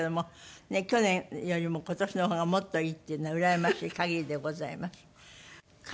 去年よりも今年の方がもっといいっていうのはうらやましい限りでございます。